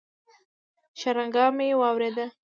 شرنگا مې واورېد.